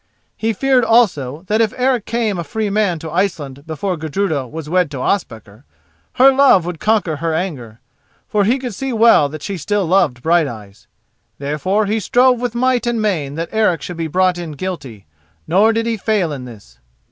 He feared also that if Eric came a free man to Iceland before Gudruda was wed to Ospakar, her love would conquer her anger, for he could see well that she still loved Brighteyes. Therefore he strove with might and main that Eric should be brought in guilty, nor did he fail in this.